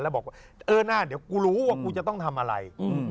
แล้วบอกว่าเออหน้าเดี๋ยวกูรู้ว่ากูจะต้องทำอะไร